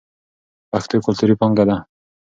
پښتو کلتوري پانګه ده.